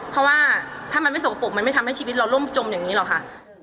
เพราะว่าถ้ามันไม่สกปรกมันไม่ทำให้ชีวิตเราร่มจมอย่างนี้หรอกค่ะ